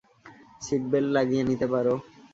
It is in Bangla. সিট বেল্ট লাগিয়ে নিতে পারো।